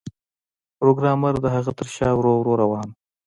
پروګرامر د هغه تر شا ورو ورو روان و